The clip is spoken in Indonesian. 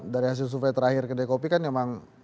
dari hasil survei terakhir ke dekopi kan memang